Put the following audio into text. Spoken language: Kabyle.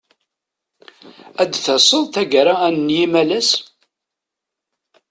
Ad d-taseḍ taggara-a n yimalas?